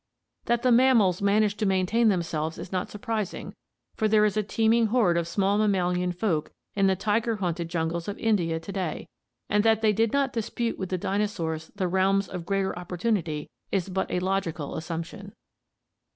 That the mammals managed to maintain themselves is not surprising, for there is a teeming horde of small mammalian folk in the tiger haunted jungles of India to day; and that they did not dispute with the dinosaurs the realms of greater opportunity is but a logical assumption.